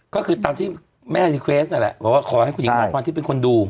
ก็คือตามที่แม่ในเครสนั่นแหละบอกว่าขอให้คุณหญิงหมอพรที่เป็นคนดู